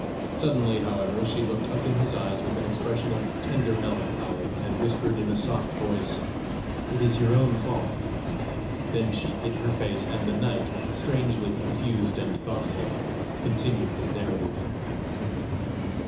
Suddenly, however, she looked up in his eyes with an expression of tender melancholy, and whispered in a soft voice: "It is your own fault." Then she hid her face, and the knight, strangely confused and thoughtful, continued his narrative.